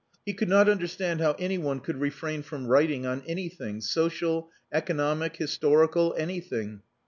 He could not understand how any one could refrain from writing on anything, social, economic, historical anything.